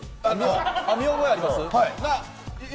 見覚えあります？